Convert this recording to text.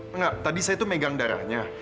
enggak tadi saya itu megang darahnya